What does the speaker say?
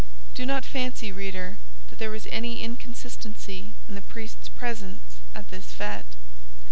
Do not fancy, reader, that there was any inconsistency in the priest's presence at this fête.